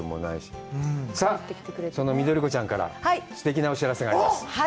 さあ、その緑子ちゃんからすてきなお知らせがあります。